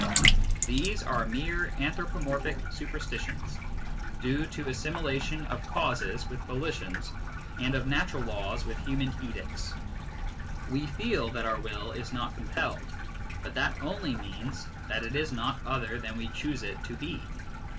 These are mere anthropomorphic superstitions, due to assimilation of causes with volitions and of natural laws with human edicts. We feel that our will is not compelled, but that only means that it is not other than we choose it to be.